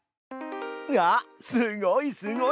あっすごいすごい！